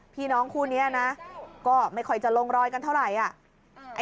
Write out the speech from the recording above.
พี่น้องคู่นี้นะก็ไม่ค่อยจะลงรอยกันเท่าไหร่